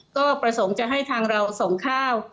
ก็ประสงค์จะให้ทางเราส่งข้าว